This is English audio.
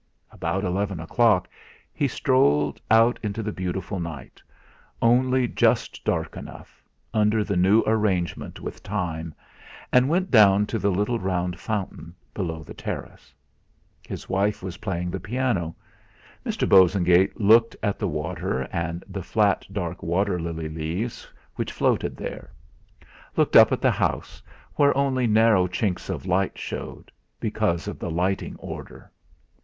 About eleven o'clock he strolled out beautiful night, only just dark enough under the new arrangement with Time and went down to the little round fountain below the terrace. His wife was playing the piano. Mr. Bosengate looked at the water and the flat dark water lily leaves which floated there; looked up at the house, where only narrow chinks of light showed, because of the Lighting Order.